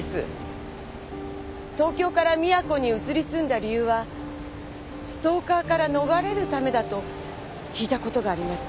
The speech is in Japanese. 東京から宮古に移り住んだ理由はストーカーから逃れるためだと聞いた事があります。